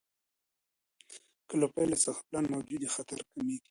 که له پیل څخه پلان موجود وي، خطر کمېږي.